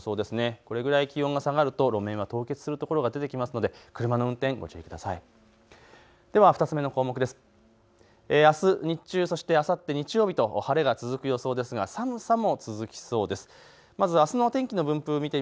これぐらい気温が下がると路面が凍結する可能性がありますので車の運転、ご注意ください。